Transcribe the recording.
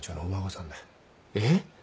えっ！